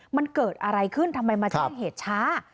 มันเกิดอะไรขึ้นทำไมมาแจ้งเหตุช้า